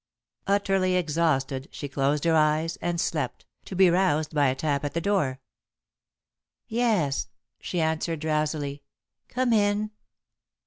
Utterly exhausted, she closed her eyes and slept, to be roused by a tap at her door. "Yes," she answered, drowsily, "come in!"